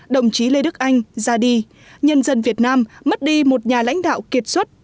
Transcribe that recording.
đồng chí lê đức anh ra đi nhân dân việt nam mất đi một nhà lãnh đạo kiệt xuất